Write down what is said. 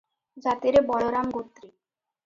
ଜାତିରେ ବଳରାମ ଗୋତ୍ରୀ ।